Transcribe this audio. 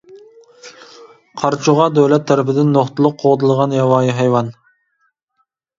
قارچۇغا دۆلەت تەرىپىدىن نۇقتىلىق قوغدىلىدىغان ياۋايى ھايۋان.